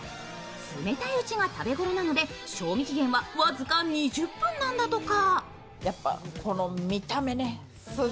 冷たいうちが食べ頃なので、賞味期限は僅か２０分なんだとか。